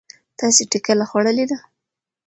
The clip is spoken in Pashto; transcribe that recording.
تاسې ټکله خوړلې ده؟